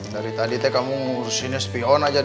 dari tadi teh kamu urusinnya spion aja dulu